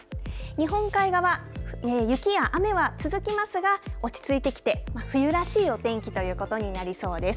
日本海側、雪や雨は続きますが、落ち着いてきて、冬らしいお天気ということになりそうです。